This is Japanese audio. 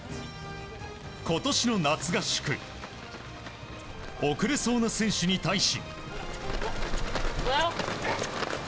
今年の夏合宿遅れそうな選手に対し。